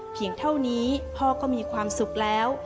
เพียงเท่านี้พ่อก็มีความสุขแล้ว